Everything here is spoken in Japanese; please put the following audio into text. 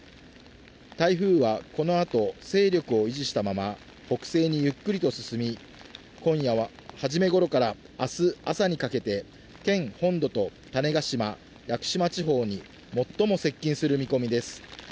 台風はこのあと、勢力を維持したまま、北西にゆっくりと進み、今夜は初めごろからあす朝にかけて、県本土と種子島・屋久島地方に最も接近する見込みです。